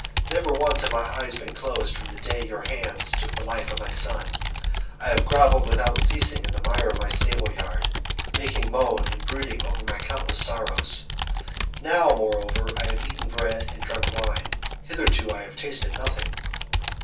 Never once have my eyes been closed from the day your hands took the life of my son; I have grovelled without ceasing in the mire of my stable yard, making moan and brooding over my countless sorrows. Now, moreover, I have eaten bread and drunk wine; hitherto I have tasted nothing."